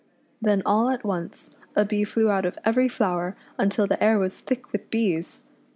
Then all at once a bee flew out of every flower until the air was thick with bees.